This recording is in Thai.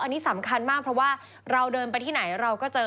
อันนี้สำคัญมากเพราะว่าเราเดินไปที่ไหนเราก็เจอ